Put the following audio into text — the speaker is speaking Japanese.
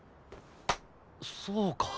そうか。